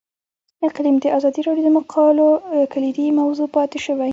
اقلیم د ازادي راډیو د مقالو کلیدي موضوع پاتې شوی.